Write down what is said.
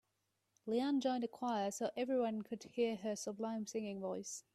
Leanne joined a choir so everyone could hear her sublime singing voice.